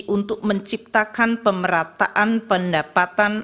untuk menciptakan pemerataan pendapatan